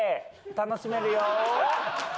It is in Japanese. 楽しめるよ！